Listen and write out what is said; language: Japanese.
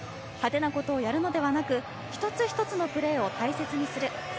派手なことをやるのではなく一つ一つのプレーを大切にする。